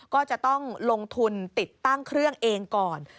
ก็จะต้องลงทุนติดตั้งเครื่องเองก่อน